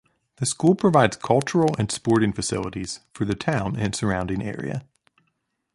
The school provides cultural and sporting facilities for the town and surrounding area.